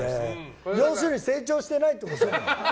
要するに成長してないってことだよ。